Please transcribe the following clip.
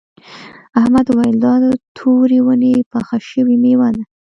احمد وویل دا د تورې ونې پخه شوې میوه ده.